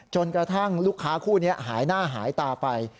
จนกระทั่งลูกค้าคู่นี้หายหน้าหายตาไป